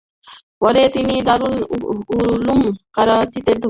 পরে তিনি দারুল উলুম করাচীতে ভর্তি হন।